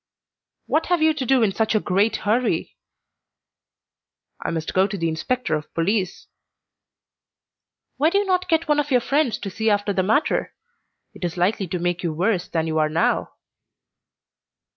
"What have you to do in such a great hurry?" "I must go to the inspector of police." "Why do you not get one of your friends to see after the matter? It is likely to make you worse than you are now."